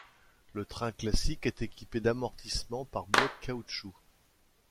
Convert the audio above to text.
Le train classique est équipé d'amortissement par blocs caoutchouc.